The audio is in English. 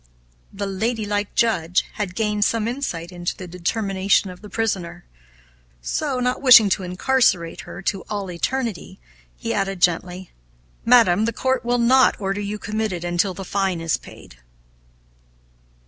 The "ladylike" Judge had gained some insight into the determination of the prisoner; so, not wishing to incarcerate her to all eternity, he added gently: "Madam, the court will not order you committed until the fine is paid."